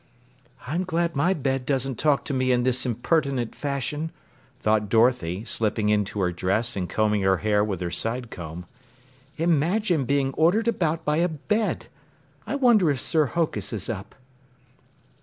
"I'm glad my bed doesn't talk to me in this impertinent fashion," thought Dorothy, slipping into her dress and combing her hair with her side comb. "Imagine being ordered about by a bed! I wonder if Sir Hokus is up."